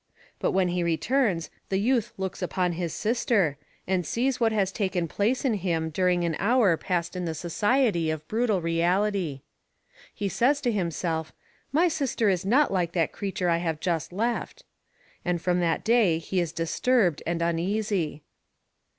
But when he returns, the youth looks upon his sister; and sees what has taken place in him during an hour passed in the society of brutal reality! He says to himself: "My sister is not like that creature I have just left!" And from that day he is disturbed and uneasy.